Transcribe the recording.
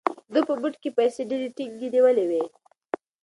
ده په موټ کې پیسې ډېرې ټینګې نیولې وې.